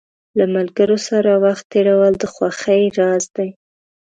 له ملګرو سره وخت تېرول د خوښۍ راز دی.